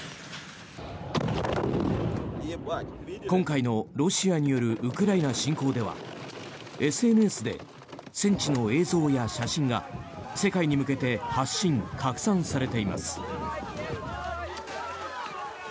今回のロシアによるウクライナ侵攻ではＳＮＳで戦地の映像や写真が世界に向けて発信・拡散されています。